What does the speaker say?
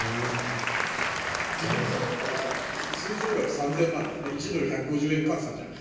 でもこれさ通常額３０００万円１ドル＝１５０円換算じゃん。